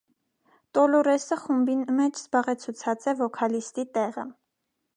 Տոլորէսը խումբին մէջ զբաղեցուցած է վոքալիստի տեղը։